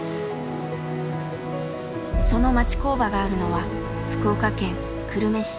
その町工場があるのは福岡県久留米市。